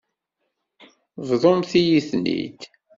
Bḍumt-iyi-ten-id.